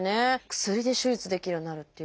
薬で手術できるようになるっていう。